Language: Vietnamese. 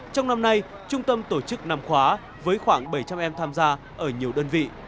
trong năm nay trung tâm tổ chức năm khóa với khoảng bảy trăm linh em tham gia ở nhiều đơn vị